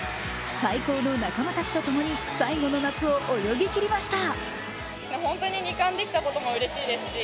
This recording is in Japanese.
最高の仲間たちとともに最後の夏を泳ぎ切りました。